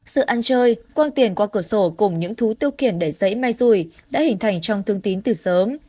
sự ăn chơi quăng tiền qua cửa sổ cùng những thú tiêu kiển đẩy rẫy may rùi đã hình thành trong thương tín từ sớm